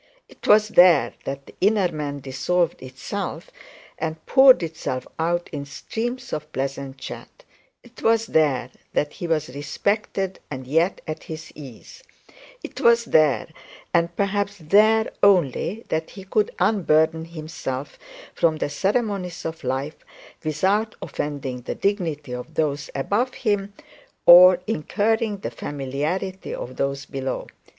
'Twas there that the inner man dissolved itself, and poured itself out in streams of pleasant chat; 'twas there, and perhaps there only, that he could unburden himself from the ceremonies of life without offending the dignity of those above him, or incurring the familiarity of those below.